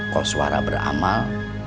kos warah beramal